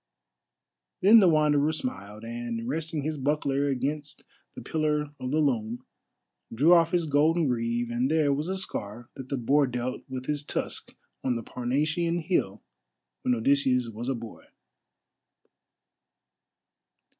Then the Wanderer smiled, and, resting his buckler against the pillar of the loom, drew off his golden greave, and there was the scar that the boar dealt with his tusk on the Parnassian hill when Odysseus was a boy.